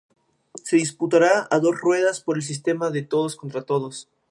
Se disputará a dos ruedas, por el sistema de todos contra todos.